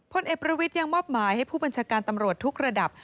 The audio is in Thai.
ภญโรทรณิวิทย์ยังหมบหมายให้ผู้ปัญชการตำรวจทุกระดับ